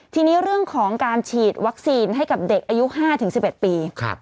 ทีนี้เรื่องของการฉีดวัคซีนให้กับเด็กอายุ๕๑๑ปี